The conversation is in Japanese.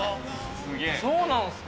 そうなんすか。